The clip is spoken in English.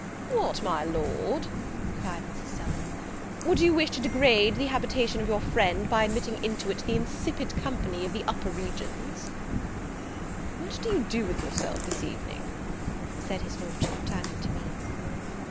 "What, my Lord!" cried Mrs. Selwyn, "would you wish to degrade the habitation of your friend, by admitting into it the insipid company of the upper regions?" "What do you do with yourself this evening?" said his Lordship, turning to me.